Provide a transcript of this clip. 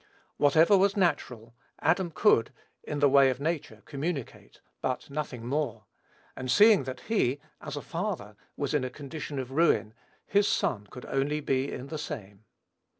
Whatever was natural, Adam could, in the way of nature, communicate; but nothing more. And seeing that he, as a father, was in a condition of ruin, his son could only be in the same.